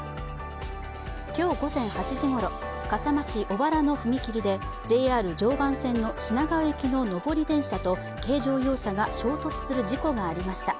今日午前８時ごろ、笠間市小原の踏切でＪＲ常磐線の品川行きの上り電車と軽乗用車が衝突する事故がありました。